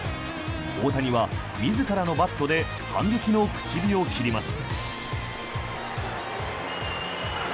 大谷は自らのバットで反撃の口火を切ります。